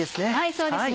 そうですね。